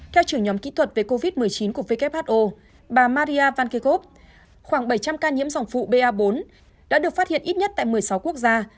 theo trưởng nhóm kỹ thuật về covid một mươi chín của who bà maria vankikov khoảng bảy trăm linh ca nhiễm dòng phụ ba bốn đã được phát hiện ít nhất tại một mươi sáu quốc gia